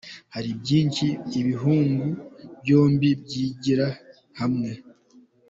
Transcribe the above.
Hari byinshi ibihugu byombi byigira hamwe.